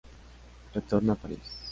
Retorna a París.